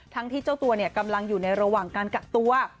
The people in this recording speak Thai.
ที่เจ้าตัวกำลังอยู่ในระหว่างการกักตัว